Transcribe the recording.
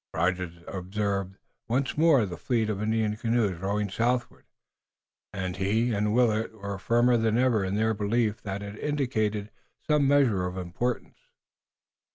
Rogers observed once more the fleet of Indian canoes rowing southward, and he and Willet were firmer than ever in their belief that it indicated some measure of importance.